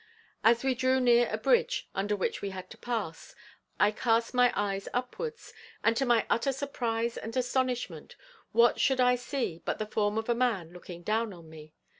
As we drew near a bridge under which we had to pass, I cast my eyes upwards and to my utter surprise and astonishment what should I see but the form of a man looking down on me.